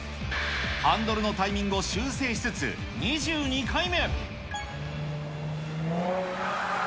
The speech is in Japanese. ハンドルのタイミングを修正しつつ、２２回目。